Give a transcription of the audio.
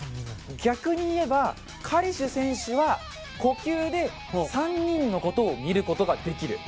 逆に言えばカリシュ選手は呼吸で３人のことを見ることができる。